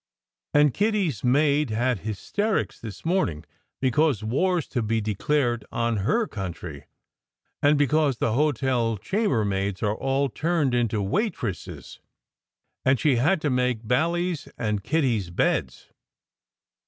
And Kitty s maid had hysterics this morning because war s to be declared on her country, and because the hotel chambermaids are all turned into waitresses, and she had to make Bally s and Kitty s beds.